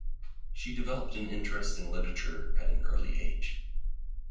She developed an interest in literature at an early age.